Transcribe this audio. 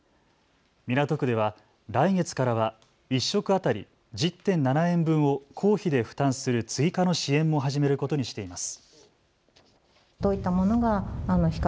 港区では来月からは１食当たり１０．７円分を公費で負担する追加の支援も始めることにしています。